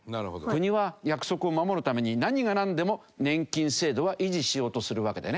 国は約束を守るために何がなんでも年金制度は維持しようとするわけだよね。